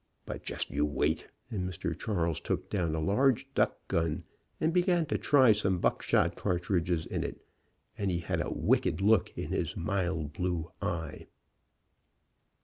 But you just wait," and Mr. Charles took down a large duck gun, and began to try some buckshot cartridges in it, and he had a wicked look in his mild blue eye.